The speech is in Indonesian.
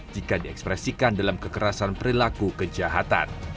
jika diekspresikan dalam kekerasan perilaku kejahatan